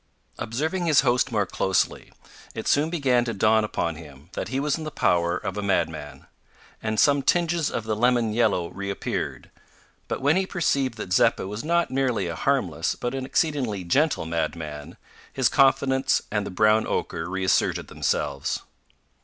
Observing his host more closely, it soon began to dawn upon him that he was in the power of a madman, and some tinges of the lemon yellow reappeared; but when he perceived that Zeppa was not merely a harmless but an exceedingly gentle madman, his confidence and the brown ochre reasserted themselves.